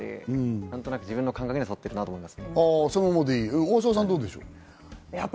何となく自分の感覚には沿ってるなと思います。